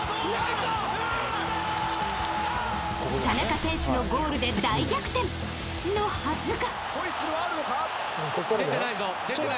田中選手のゴールで大逆転のはずが。